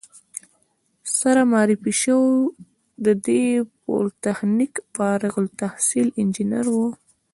سره معرفي شوو، دی د پولتخنیک فارغ التحصیل انجینر و.